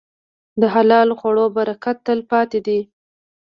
د حلال خوړو برکت تل پاتې دی.